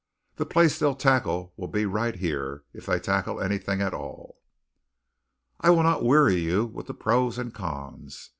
The place they'll tackle will be right yere, if they tackle anything at all " I will not weary you with the pros and cons.